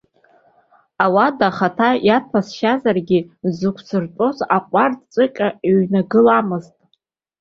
Ауада ахаҭа иаҭәасшьазаргьы, дзықәсыртәоз аҟәардәҵәҟьа ҩнагыламызт.